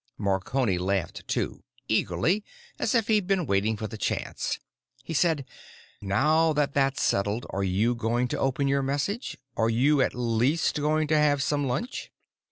'" Marconi laughed too—eagerly, as if he'd been waiting for the chance. He said, "Now that that's settled, are you going to open your message? Are you at least going to have some lunch?"